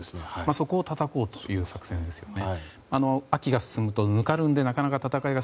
そこをたたこうという作戦ですよね。